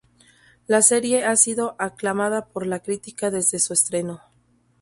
La serie ha sido aclamada por la crítica desde su estreno.